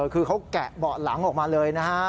คือเขาแกะเบาะหลังออกมาเลยนะฮะ